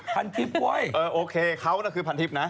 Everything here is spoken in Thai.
พันทิศเว้ยเออโอเคเขาคือพันทิศนะ